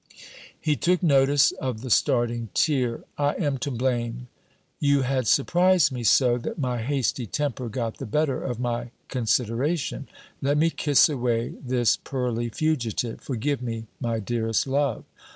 He took notice of the starting tear "I am to blame! You had surprised me so, that my hasty temper got the better of my consideration. Let me kiss away this pearly fugitive. Forgive me, my dearest love!